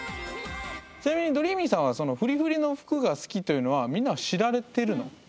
ちなみにどりーみぃさんはそのフリフリの服が好きというのはみんなは知られてるの？